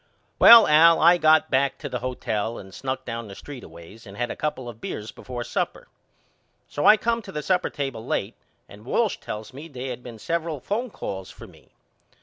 Well Al I got back to the hotel and snuck down the street a ways and had a couple of beers before supper. So I come to the supper table late and Walsh tells me they had been several phone calls for me.